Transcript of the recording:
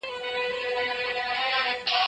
کله نړیواله ټولنه بیړنۍ مرستي لیږي؟